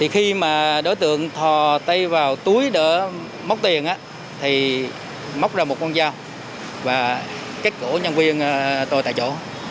khi mà đối tượng thò tay vào túi để móc tiền thì móc ra một con dao và cắt cổ nhân viên tôi tại chỗ